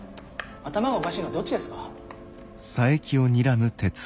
頭がおかしいのはどっちですか。